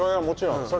もちろん。